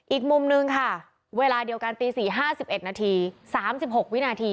อีกมุมนึงค่ะเวลาเดียวกันตี๔๕๑นาที๓๖วินาที